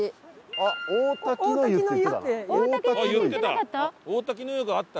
あっ言ってた！